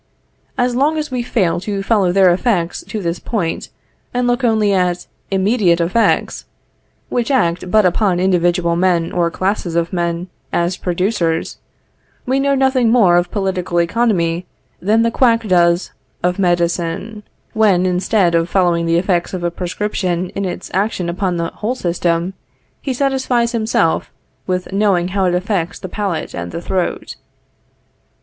As long as we fail to follow their effects to this point, and look only at immediate effects, which act but upon individual men or classes of men as producers, we know nothing more of political economy than the quack does of medicine, when, instead of following the effects of a prescription in its action upon the whole system, he satisfies himself with knowing how it affects the palate and the throat.